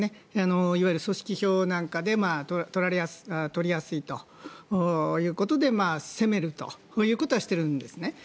いわゆる組織票なんかで取りやすいということで攻めるということはしているんですね。